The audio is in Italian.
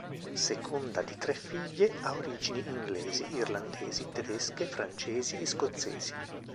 Seconda di tre figlie, ha origini inglesi, irlandesi, tedesche, francesi e scozzesi.